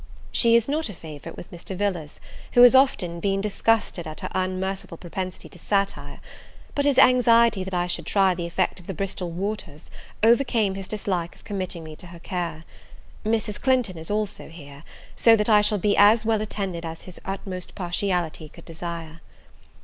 She is not a favourite with Mr. Villars, who has often been disgusted at her unmerciful propensity to satire: but his anxiety that I should try the effect of the Bristol waters, overcame his dislike of committing me to her care. Mrs. Clinton is also here; so that I shall be as well attended as his utmost partiality could desire.